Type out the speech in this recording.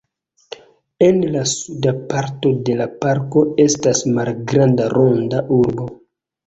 En la suda parto de la parko estas malgranda Ronda Urbo.